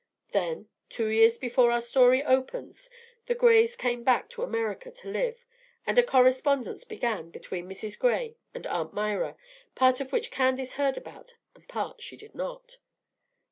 Then, two years before our story opens, the Grays came back to America to live; and a correspondence began between Mrs. Gray and Aunt Myra, part of which Candace heard about and part she did not.